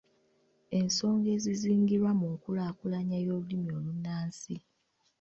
Ensonga ezizingirwa mu nkulaakulanya y’olulimi olunnansi